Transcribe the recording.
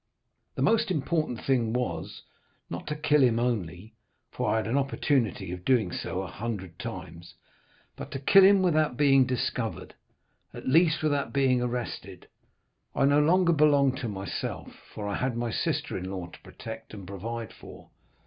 The most important thing was, not to kill him only—for I had an opportunity of doing so a hundred times—but to kill him without being discovered—at least, without being arrested. I no longer belonged to myself, for I had my sister in law to protect and provide for.